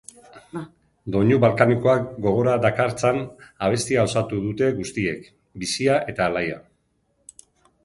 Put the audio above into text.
Doinu balkanikoak gogora dakartzan abestia osatu dute guztiek, bizia eta alaia.